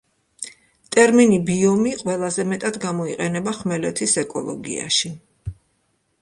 ტერმინი „ბიომი“ ყველაზე მეტად გამოიყენება ხმელეთის ეკოლოგიაში.